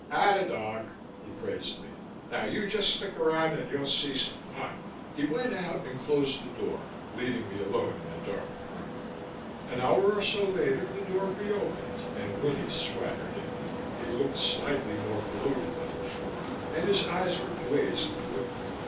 "Atta dog!" he praised me. "Now you just stick around and you'll see some fun." He went out and closed the door, leaving me alone in the darkened room. An hour or so later, the door reopened and Winnie swaggered in. He looked slightly more bloated than before and his eyes were glazed with liquor.